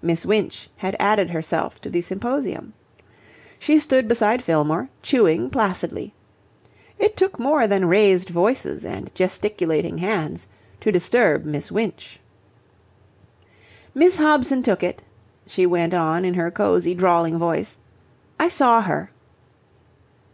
Miss Winch had added herself to the symposium. She stood beside Fillmore, chewing placidly. It took more than raised voices and gesticulating hands to disturb Miss Winch. "Miss Hobson took it," she went on in her cosy, drawling voice. "I saw her."